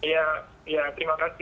ya ya terima kasih